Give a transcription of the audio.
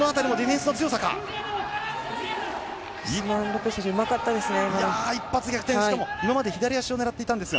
グスマン・ロペス選手うまかったですね。